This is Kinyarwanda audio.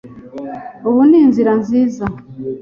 Ubu ni inzira nziza.